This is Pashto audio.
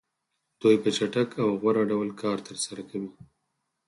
دوی په چټک او غوره ډول کار ترسره کوي